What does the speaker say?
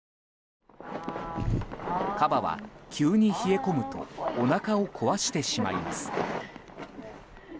カバは急に冷え込むとおなかを壊してしまいます。